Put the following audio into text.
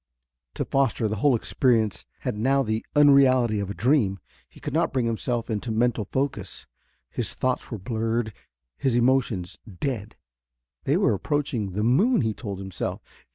To Foster the whole experience had now the unreality of a dream. He could not bring himself into mental focus. His thoughts were blurred, his emotions dead. They were approaching the moon, he told himself.